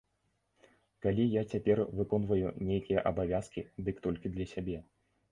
Калі я цяпер выконваю нейкія абавязкі, дык толькі для сябе.